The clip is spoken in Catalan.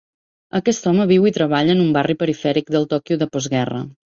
Aquest home viu i treballa en un barri perifèric del Tòquio de postguerra.